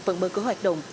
vẫn mở cửa hoạt động